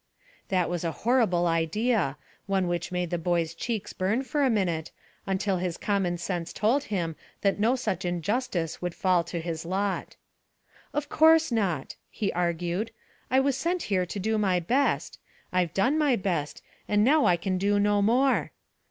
That was a horrible idea, one which made the boy's cheeks burn for a minute, until his common sense told him that no such injustice could fall to his lot. "Of course not," he argued. "I was sent here to do my best. I've done my best, and now I can do no more.